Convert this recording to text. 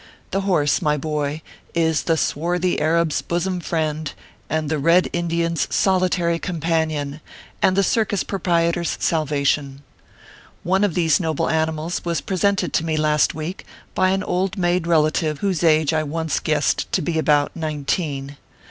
The horse, my boy, is the swarthy Arab s bosom friend, the red Indian s solitary companion, and the circus proprietor s salvation. One of these noble animals was presented to me last week, by an old maid relative whose age I once guessed to be "about nineteen."